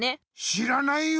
知らないよ